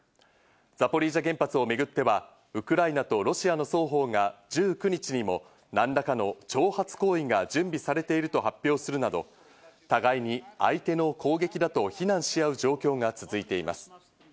ザポリージャ原発をめぐってはウクライナとロシアの双方が１９日にも何らかの挑発行為が準備されていると発表するなど、互いに相手の攻撃だと非難し合う状況が続いています。